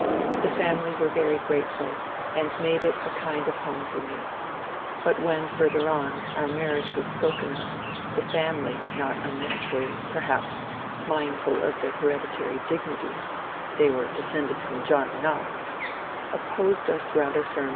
The family were very g^teful, and made it a kind of home for me. But when, fur ther on, our marriage was spoken of, the family — not unnat urally, perhaps, mindful of their hereditary dignity (they were descended from John Knox) — opposed us rather firmly.